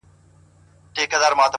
د خدای د حسن عکاسي د يتيم زړه کي اوسي;